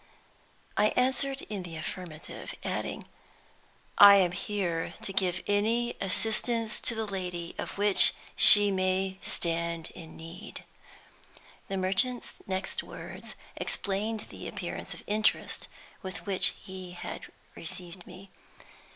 I answered in the affirmative; adding, "I am here to give any assistance to the lady of which she may stand in need." The merchant's next words explained the appearance of interest with which he had received me.